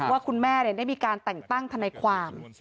ว่าคุณแม่ได้มีการแต่งตั้งทนายความ